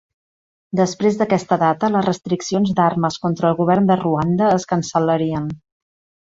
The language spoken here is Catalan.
Després d'aquesta data, les restriccions d'armes contra el govern de Ruanda es cancel·larien.